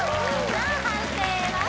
さあ判定は？